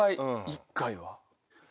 １回は。